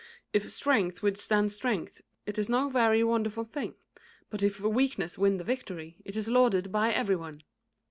If strength withstand strength, it is no very wonderful thing; but if weakness win the victory, it is lauded by every one.